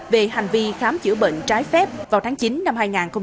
về hành vi khám chữa bệnh trái phép vào tháng chín năm hai nghìn hai mươi